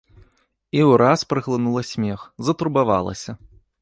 І ўраз праглынула смех, затурбавалася.